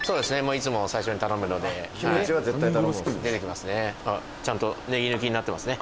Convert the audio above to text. いつも最初に頼むのでキムチは絶対頼むんですね出てきますね